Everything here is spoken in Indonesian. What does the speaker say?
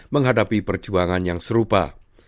menghadapi perjuangan yang serupa